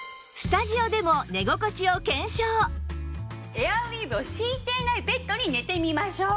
エアウィーヴを敷いていないベッドに寝てみましょう。